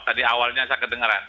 tadi awalnya saya kedengeran